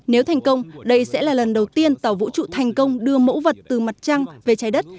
nếu thành công đây sẽ là lần đầu tiên tàu vũ trụ thành công đưa mẫu vật từ mặt trăng về trái đất